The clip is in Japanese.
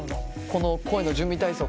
この声の準備体操